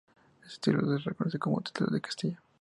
Éste título se le reconoció como título de Castilla.